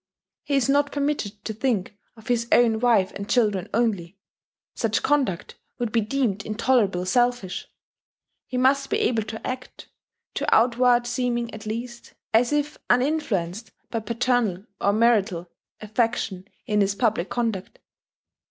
He is not permitted to think of his own wife and children only, such conduct would be deemed intolerably selfish: he must be able to act, to outward seeming at least, as if uninfluenced by paternal or marital affection in his public conduct.